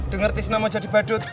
dengar tisna mau jadi badut